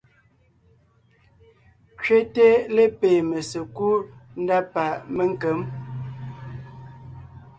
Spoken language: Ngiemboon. Kẅéte lépée mésekúd ndá pa ménkěm.